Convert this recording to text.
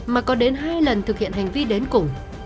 mà có đến hai lần thực hiện hành vi đến cùng